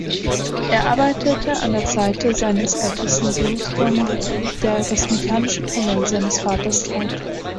Er arbeitete an der Seite seines ältesten Sohnes Germain, der das mechanische Talent seines Vaters teilte.